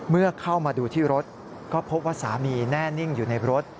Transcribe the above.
เมื่อเข้ามาดูที่รถก็พบว่าสามีแน่นิ่งอยู่ในรถ